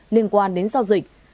liên quan đến giao dịch